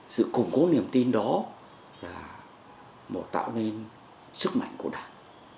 sự cổng cố niềm tin đó là một tạo nên sức mạnh của đảng